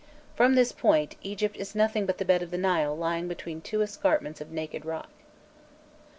From this point, Egypt is nothing but the bed of the Nile lying between two escarpments of naked rock.